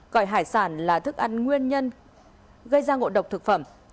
coi hải sản là thức ăn nguyên nhân gây ra ngộ độc thực phẩm